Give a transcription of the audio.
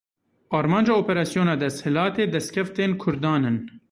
Armanca operasyona desthilatê destkeftên Kurdan in.